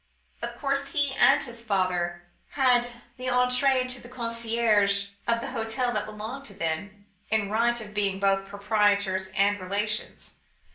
Of course, he and his father had the entree into the conciergerie of the hotel that belonged to them, in right of being both proprietors and relations.